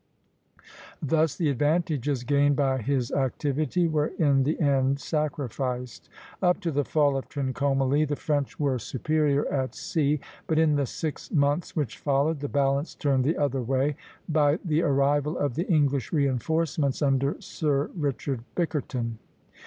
Thus the advantages gained by his activity were in the end sacrificed. Up to the fall of Trincomalee the French were superior at sea; but in the six months which followed, the balance turned the other way, by the arrival of the English reinforcements under Sir Richard Bickerton.